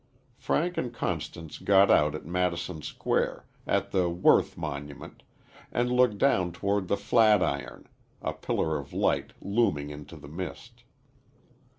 Frank and Constance got out at Madison Square, at the Worth monument, and looked down toward the "Flat iron" a pillar of light, looming into the mist.